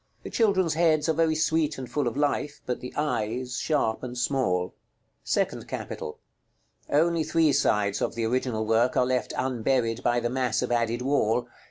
The children's heads are very sweet and full of life, but the eyes sharp and small. § LXVIII. SECOND CAPITAL. Only three sides of the original work are left unburied by the mass of added wall.